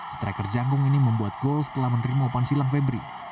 striker janggung ini membuat gol setelah menerima opan silang febri